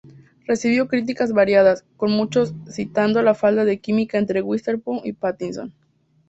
Recibió críticas variadas, con muchos citando la falta de química entre Witherspoon y Pattinson.